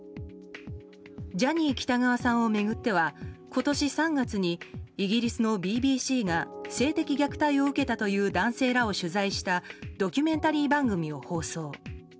ジャニー喜多川さんを巡っては今年３月にイギリスのＢＢＣが性的虐待を受けたという男性らを取材したドキュメンタリー番組を放送。